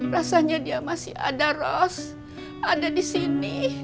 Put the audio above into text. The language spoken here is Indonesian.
rasanya dia masih ada ros ada di sini